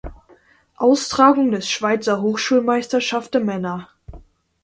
Austragung des Schweizer Hochschulmeisterschaft der Männer.